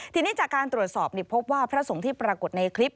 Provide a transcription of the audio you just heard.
ทีนี้จากการตรวจสอบพบว่าพระสงฆ์ที่ปรากฏในคลิป